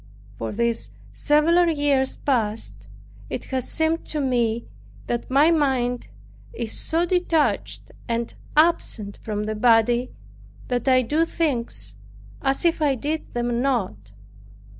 For these several years past, it has seemed to me that my mind is so detached and absent from the body, that I do things as if I did them not.